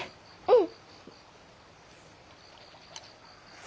うん！